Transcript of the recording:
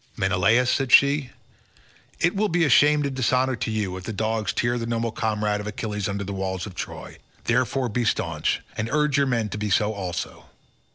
"Menelaus," said she, "it will be shame and dishonour to you, if dogs tear the noble comrade of Achilles under the walls of Troy. Therefore be staunch, and urge your men to be so also."